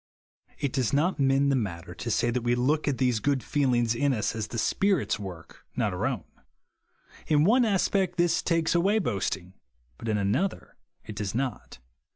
It does not mend the matter to say that we look at these good feelings in us, as the Spirit's work, not our own. In one aspect this takes away boasting, but in another it does not.